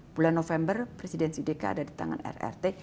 bulan november presidensi deka ada di tangan rrt